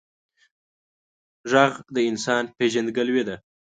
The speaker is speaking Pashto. غږ د انسان پیژندګلوي ده